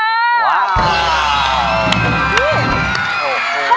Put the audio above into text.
ว้าว